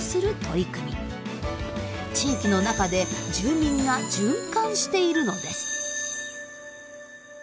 地域の中で住民が循環しているのです。